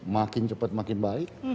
makin cepat makin baik